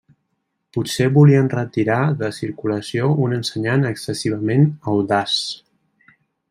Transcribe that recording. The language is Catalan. Potser volien retirar de circulació un ensenyant excessivament audaç.